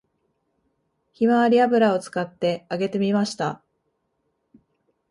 ひまわり油を使って揚げてみました